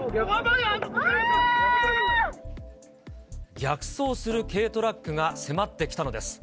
逆走する軽トラックが迫ってきたのです。